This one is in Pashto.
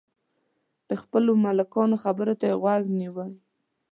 د خپلو ملکانو خبرو ته یې غوږ نیوی.